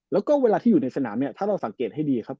แล้วก็เวลาที่อยู่ในสนามเนี่ยถ้าเราสังเกตให้ดีครับ